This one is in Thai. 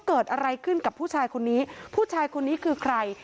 เกิดอะไรขึ้นกับผู้ชายคนนี้ผู้ชายคนนี้คือใคร